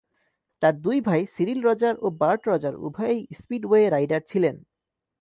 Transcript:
তার দুই ভাই সিরিল রজার ও বার্ট রজার উভয়েই স্পিডওয়ে রাইডার ছিলেন।